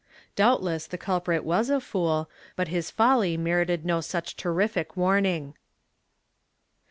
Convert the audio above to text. ^ Doubtless the culprit was a fool, but his folly merited no such terrific warning.